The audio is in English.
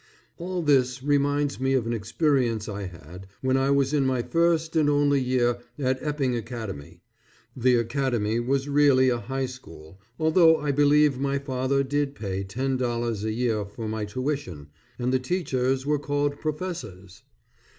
All this reminds me of an experience I had when I was in my first and only year at Epping Academy. The Academy was really a high school although I believe my father did pay $10 a year for my tuition, and the teachers were called professors.